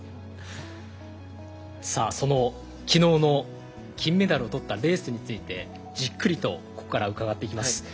きのうの金メダルを取ったレースについてじっくりとここから伺っていきます。